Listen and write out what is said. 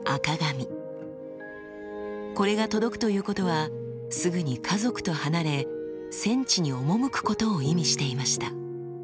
これが届くということはすぐに家族と離れ戦地に赴くことを意味していました。